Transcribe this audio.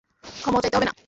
ক্ষমাও চাইতে হবে না।